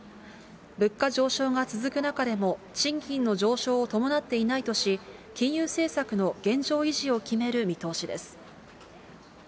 物価上昇が続く中でも、賃金の上昇を伴っていないとし、金融政策の現状維持を決める見通しです。